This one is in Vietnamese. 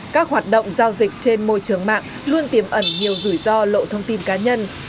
các hoạt động giao dịch trên môi trường mạng luôn tiềm ẩn nhiều rủi ro lộ thông tin cá nhân